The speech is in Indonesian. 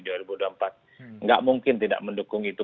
tidak mungkin tidak mendukung itu